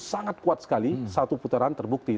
sangat kuat sekali satu putaran terbukti